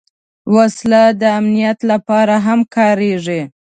وسله د امنیت لپاره هم کارېږي